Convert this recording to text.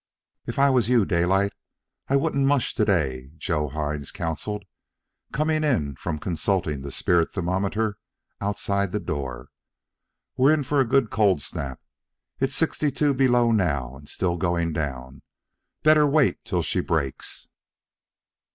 "If I was you, Daylight, I wouldn't mush to day," Joe Hines counselled, coming in from consulting the spirit thermometer outside the door. "We're in for a good cold snap. It's sixty two below now, and still goin' down. Better wait till she breaks."